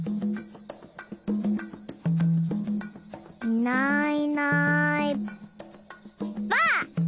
いないいないばあっ！